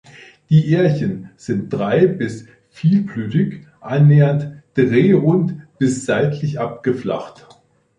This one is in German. Die Ährchen sind drei- bis vielblütig, annähernd drehrund bis seitlich abgeflacht.